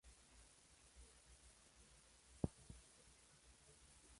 Además, este juego cuenta con más elementos que su predecesor.